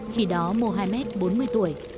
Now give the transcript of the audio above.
khi đó muhammad bốn mươi tuổi